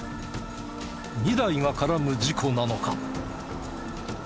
２台が絡む事故なのか？